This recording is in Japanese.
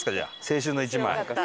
青春の１枚。